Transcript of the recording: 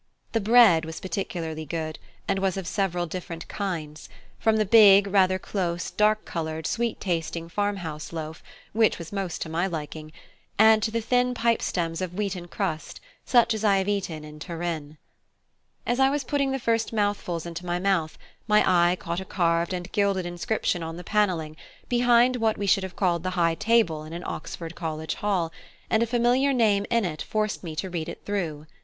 The bread was particularly good, and was of several different kinds, from the big, rather close, dark coloured, sweet tasting farmhouse loaf, which was most to my liking, to the thin pipe stems of wheaten crust, such as I have eaten in Turin. As I was putting the first mouthfuls into my mouth my eye caught a carved and gilded inscription on the panelling, behind what we should have called the High Table in an Oxford college hall, and a familiar name in it forced me to read it through.